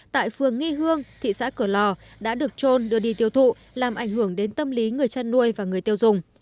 tại phường nghi hương thị xã cửa lò đã được trôn đưa đi tiêu thụ làm ảnh hưởng đến tâm lý người chăn nuôi và người tiêu dùng